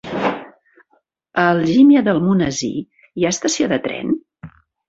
A Algímia d'Almonesir hi ha estació de tren?